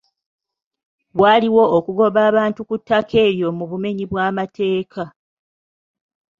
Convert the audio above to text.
Waaliwo okugoba abantu ku ttaka eryo mu bumenyi bw'amateeka.